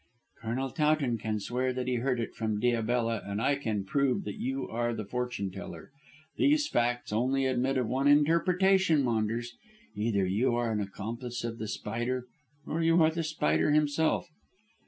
"Colonel Towton can swear that he heard it from Diabella, and I can prove that you are the fortune teller. These facts only admit of one interpretation, Maunders. Either you are an accomplice of The Spider or you are The Spider himself."